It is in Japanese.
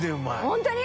ホントに？